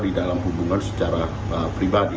di dalam hubungan secara pribadi